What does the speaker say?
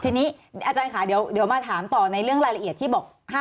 ทีนี้อาจารย์ค่ะเดี๋ยวมาถามต่อในเรื่องรายละเอียดที่บอก